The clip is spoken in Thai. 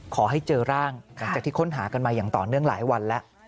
ขอให้เจอร่างหลังจากที่ค้นหากันมาอย่างต่อเนื่องหลายวันแล้ว